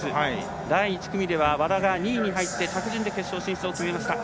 第１組では和田が２位に入って着順で決勝進出を決めました。